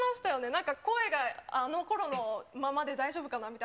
なんか声があのころのままで大丈夫かなって。